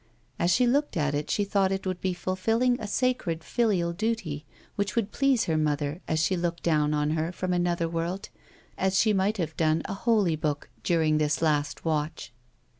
As she looked at it she thought it would be fulfilling a sacred, filial duty, which would please her mother us she looked down on her from another world, to read these letters, as she might have done a holy book, during tbis last watch.